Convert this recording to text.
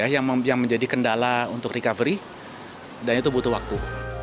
yang menjadi kendala untuk recovery dan itu butuh waktu